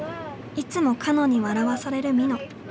いつもかのに笑わされるみの。